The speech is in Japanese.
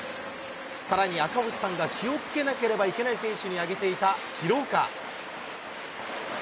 さらに赤星さんが気をつけなければいけない選手に挙げていた廣岡。